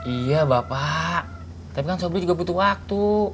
iya bapak tapi kan suami juga butuh waktu